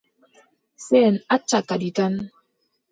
Sey en acca kadi tan.